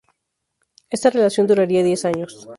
Esta relación duraría diez años.